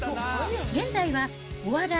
現在はお笑い